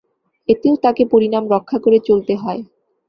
এতেও তাকে পরিমাণ রক্ষা করে চলতে হয়।